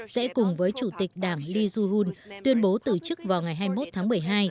sẽ cùng với chủ tịch đảng lee joo hun tuyên bố từ chức vào ngày hai mươi một tháng một mươi hai